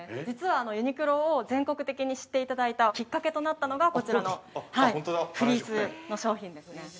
実は、ユニクロを全国的に知っていただいたきっかけとなったのがこちらのフリースの商品ですね。